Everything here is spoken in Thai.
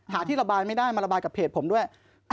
ที่ระบายไม่ได้มาระบายกับเพจผมด้วย